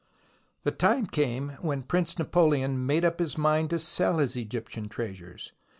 The time came when Prince Napoleon made up his mind to sell his Egyptian treasures.